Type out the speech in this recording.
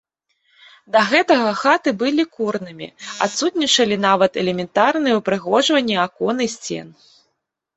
Да гэтага хаты былі курнымі, адсутнічалі нават элементарныя ўпрыгожванні акон і сцен.